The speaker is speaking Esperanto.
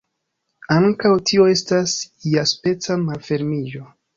Ankaŭ tio estas iaspeca malfermiĝo.